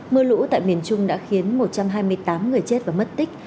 mưa lũ tại miền trung đã khiến một trăm hai mươi tám người chết và mất tích